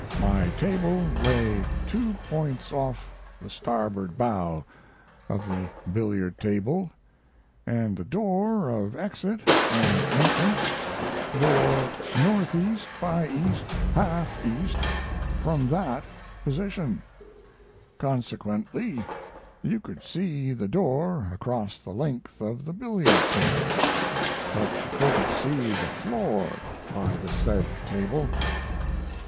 My table lay two points off the starboard bow of the billiard table, & the door of exit and entrance bore northeast& by east half east from that position, consequently you could see the door across the length of the billiard table, but you couldn't see the floor by the said table.